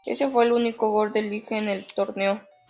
Ese fue el único gol de Lille en el torneo.